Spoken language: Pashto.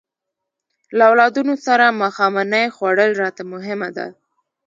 له اولادونو سره ماښامنۍ خوړل راته مهمه ده.